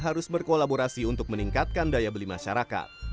harus berkolaborasi untuk meningkatkan daya beli masyarakat